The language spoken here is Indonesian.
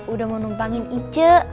udah menumpangin ice